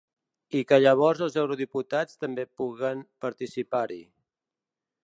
I que llavors els eurodiputats també puguen participar-hi.